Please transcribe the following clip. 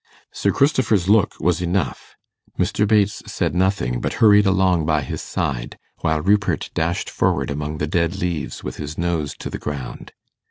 Sir Christopher's look was enough. Mr. Bates said nothing, but hurried along by his side, while Rupert dashed forward among the dead leaves with his nose to the ground.